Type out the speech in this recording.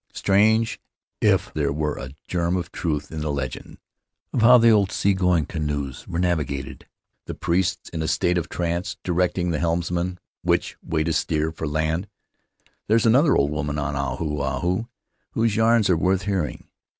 Strange if there were a germ of truth in the legends of how the old sea going canoes were navigated — the priests, in a state of trance, directing the helmsmen which way to steer for land. ... "There is another old woman on Ahu Ahu whose yarns are worth hearing.